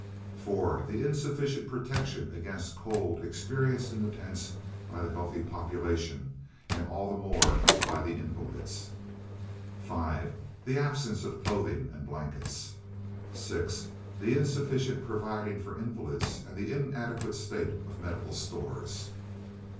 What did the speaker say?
4. The insufficient protection against cold experienced in the tents by the healthy population, and all the more by the invalids. 5. The absence of clothing and blankets. 6. The insufficient providing for invalids and the inadequate state of medical stores.